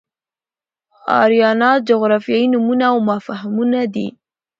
آریانا جغرافیایي نومونه او مفهومونه دي.